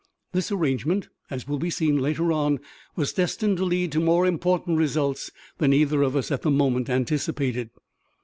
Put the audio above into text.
This arrangement, as will be seen later on, was destined to lead to more important results than either of us at the moment anticipated.